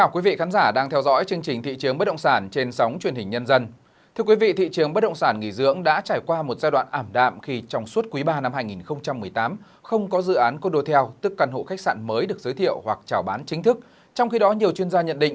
các bạn hãy đăng ký kênh để ủng hộ kênh của chúng mình nhé